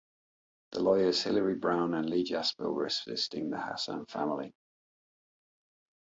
The lawyers Hillary Brown and Lee Jasper are assisting the Hassan family.